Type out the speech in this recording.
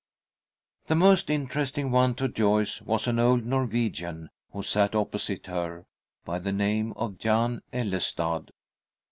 The most interesting one to Joyce was an old Norwegian who sat opposite her, by the name of Jan Ellestad.